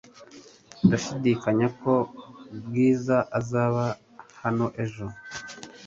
Ndashidikanya ko Bwiza azaba hano ejo .